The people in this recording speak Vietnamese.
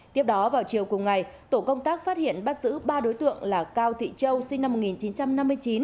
tiếp đó vào chiều cùng ngày tổ công tác phát hiện bắt giữ ba đối tượng là cao thị châu sinh năm một nghìn chín trăm năm mươi chín